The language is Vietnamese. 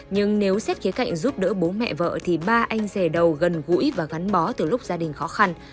nhưng nếu xét khía cạnh giúp đỡ bố mẹ vợ thì ba anh rể đầu gần gũi và gắn bó từ lúc gia đình khó khăn